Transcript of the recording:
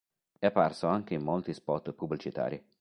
È apparso anche in molti spot pubblicitari.